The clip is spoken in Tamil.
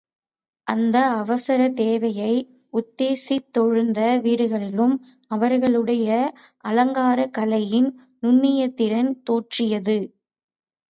அந்த அவசரத் தேவையை உத்தேசித் தெழுந்த வீடுகளிலும் அவர்களுடைய அலங்காரக் கலையின் நுண்ணிய திறன் தோற்றியது.